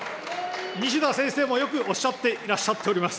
にしだ先生もよくおっしゃっていらっしゃっております。